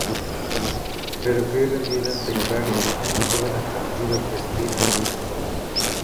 Pero cae rendida ante Karin, una joven atractiva que aspira a ser modelo.